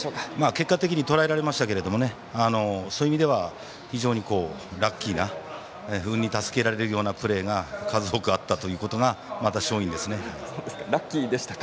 結果的にとらえられましたけどそういう意味では非常にラッキーな運に助けられるようなプレーが数多くあったのが勝因ですね。